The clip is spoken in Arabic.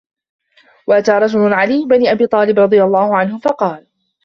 وَأَتَى رَجُلٌ عَلِيَّ بْنَ أَبِي طَالِبٍ رَضِيَ اللَّهُ عَنْهُ فَقَالَ